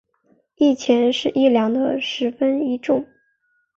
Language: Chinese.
一钱是一两的十分一重。